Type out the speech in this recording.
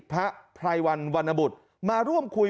พรายวรรณวรรณบุตรมาร่วมคุย